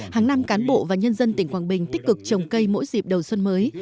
hàng năm cán bộ và nhân dân tỉnh quảng bình tích cực trồng cây mỗi dịp đầu xuân mới